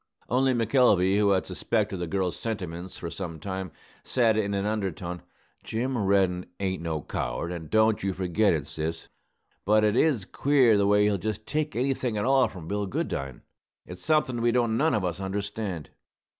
Only McElvey, who had suspected the girl's sentiments for some time, said in an undertone, "Jim Reddin ain't no coward, and don't you forget it, sis. But it is queer the way he'll just take anything at all from Bill Goodine. It's somethin' we don't none of us understand."